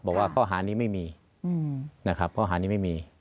บอกว่าข้อหานี้ไม่มีนะครับข้อหานี้ไม่มี